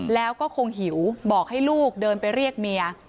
แล้วก็คงหิวบอกให้ลูกเดินไปเรียกเมีย